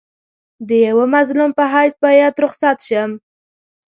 د یوه مظلوم په حیث باید رخصت شم.